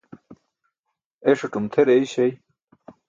Eṣatum tʰer eyśay.